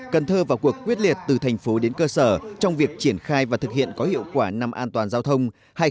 cần thơ vào cuộc quyết liệt từ thành phố đến cơ sở trong việc triển khai và thực hiện có hiệu quả năm an toàn giao thông hai nghìn một mươi tám